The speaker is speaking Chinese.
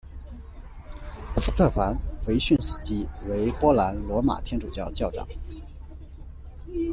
斯特凡·维逊斯基为波兰罗马天主教教长。